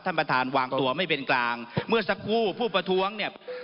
ท่านประธานวางตัวไม่เป็นกลางเมื่อสักครู่ผู้ประท้วงเนี่ย